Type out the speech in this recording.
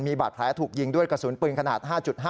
มีบาดแผลถูกยิงด้วยกระสุนปืนขนาด๕๕